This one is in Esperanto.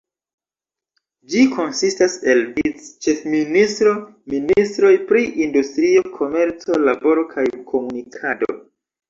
Ĝi konsistas el vic-ĉefministro, ministroj pri industrio, komerco, laboro kaj komunikado.